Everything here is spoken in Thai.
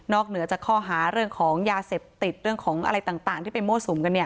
เหนือจากข้อหาเรื่องของยาเสพติดเรื่องของอะไรต่างที่ไปมั่วสุมกันเนี่ย